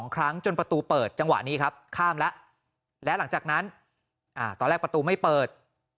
๒ครั้งจนประตูเปิดจังหวะนี้ครับข้ามแล้วและหลังจากนั้นตอนแรกประตูไม่เปิด